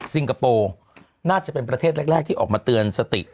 คโปร์น่าจะเป็นประเทศแรกที่ออกมาเตือนสติ